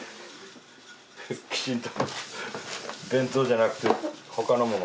きちんと弁当じゃなくてほかのもの。